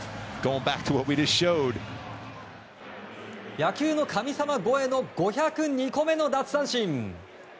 野球の神様超えの５０２個目の奪三振。